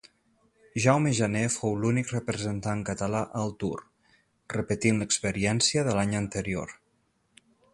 Jaume Janer fou l'únic representant català al Tour, repetint l'experiència de l'any anterior.